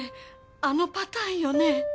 あのパターンよね？